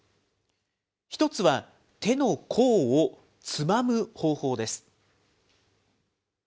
１つは、手の甲をつまむ方法です。